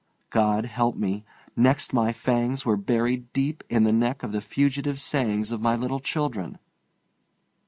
God help me! Next my fangs were buried deep in the neck of the fugitive sayings of my little children.